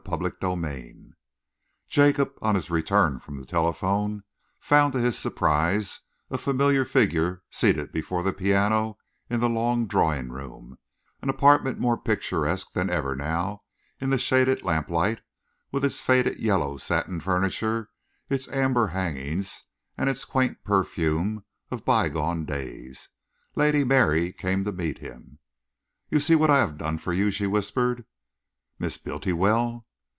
CHAPTER XVIII Jacob, on his return from the telephone, found to his surprise a familiar figure seated before the piano in the long drawing room, an apartment more picturesque than ever now in the shaded lamplight, with its faded yellow satin furniture, its amber hangings, and its quaint perfume of bygone days. Lady Mary came to meet him. "You see what I have done for you," she whispered. "Miss Bultiwell!"